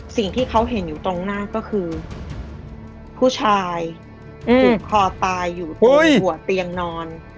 สิ่งที่เขาเห็นอยู่ตรงหน้าก็คือผู้ชายอืมหัวเตียงนอน